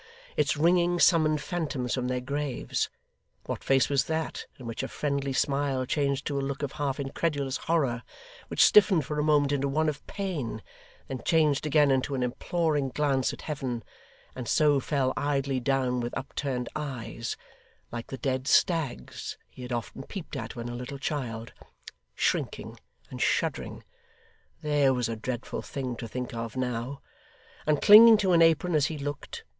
Its ringing summoned phantoms from their graves. What face was that, in which a friendly smile changed to a look of half incredulous horror, which stiffened for a moment into one of pain, then changed again into an imploring glance at Heaven, and so fell idly down with upturned eyes, like the dead stags' he had often peeped at when a little child: shrinking and shuddering there was a dreadful thing to think of now! and clinging to an apron as he looked!